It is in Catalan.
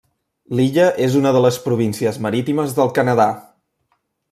L'illa és una de les províncies marítimes del Canadà.